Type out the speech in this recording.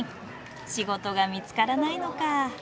仕事が見つからないのかあ。